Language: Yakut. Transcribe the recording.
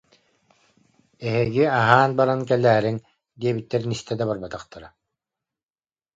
«Эһиги аһаан баран кэлээриҥ» диэбиттэрин истэ да барбатахтара